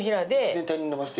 全体にのばして。